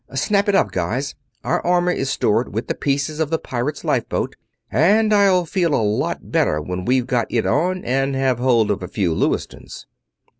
Snap it up, guys! Our armor is stored with the pieces of the pirates' lifeboat, and I'll feel a lot better when we've got it on and have hold of a few Lewistons."